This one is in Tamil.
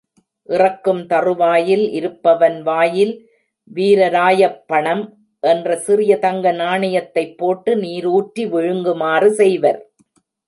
இறக்கும் தருவாயில் இருப்பவன் வாயில் வீரராயப்பணம் என்ற சிறிய தங்க நாணயத்தைப் போட்டு நீரூற்றி விழுங்குமாறு செய்வர்.